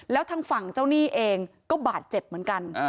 แล้วทางฝั่งเจ้าหนี้เองก็บาดเจ็บเหมือนกัน